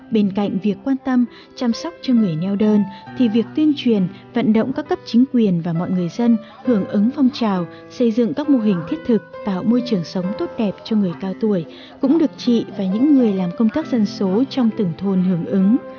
bên cạnh việc quan tâm chăm sóc cho người neo đơn thì việc tuyên truyền vận động các cấp chính quyền và mọi người dân hưởng ứng phong trào xây dựng các mô hình thiết thực tạo môi trường sống tốt đẹp cho người cao tuổi cũng được chị và những người làm công tác dân số trong từng thôn hưởng ứng